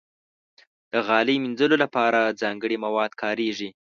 د غالۍ مینځلو لپاره ځانګړي مواد کارېږي.